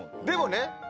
でもね